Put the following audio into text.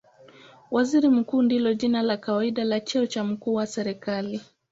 Waziri Mkuu ndilo jina la kawaida la cheo cha mkuu wa serikali.